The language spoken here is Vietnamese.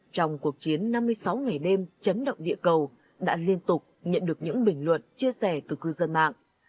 trong cuộc chiến năm mươi sáu ngày đêm chấn động địa cầu đã liên tục nhận được những bình luận chia sẻ từ cư dân mạng